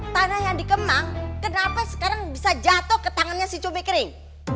tanah yang dikemang kenapa sekarang bisa jatuh ke tangannya si cumi kering